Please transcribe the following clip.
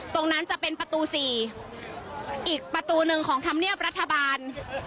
ตรงนั้นจะเป็นประตู๔อีกประตูหนึ่งของธรรมเนียบรัฐบาล